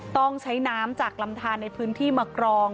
ต้องใช้น้ำจากลำทานในพื้นที่มากรอง